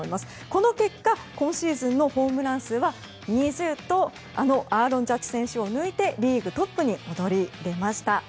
この結果今シーズンのホームラン数は２０とアーロン・ジャッジ選手を抜いてリーグトップに躍り出ました。